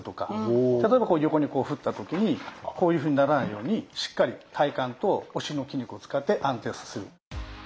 例えばこう横に振った時にこういうふうにならないようにしっかり体幹とお尻の筋肉を使って安定させる。